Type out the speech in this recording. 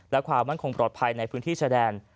และความมั่นคงปลอดภัยในพื้นที่ชายแดน